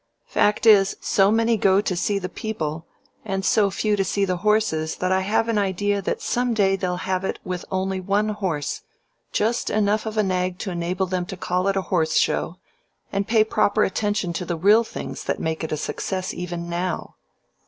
Fact is, so many go to see the people and so few to see the horses that I have an idea that some day they'll have it with only one horse just enough of a nag to enable them to call it a Horse Show and pay proper attention to the real things that make it a success even now."